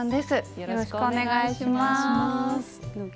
よろしくお願いします。